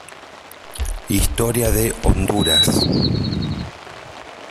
Historia de Honduras.